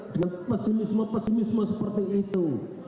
dengan pesimisme pesimisme seperti itu